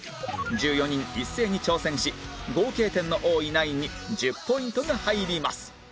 １４人一斉に挑戦し合計点の多いナインに１０ポイントが入ります